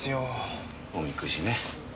おみくじね。